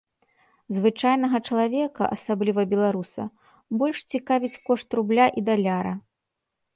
Звычайнага чалавека, асабліва беларуса, больш цікавіць кошт рубля і даляра.